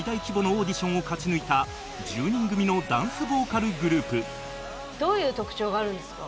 オーディションを勝ち抜いた１０人組のダンスボーカルグループどういう特徴があるんですか？